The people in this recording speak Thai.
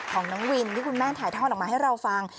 ของน้องวินที่คุณแม่ถ่ายทอดออกมาให้เราฟัง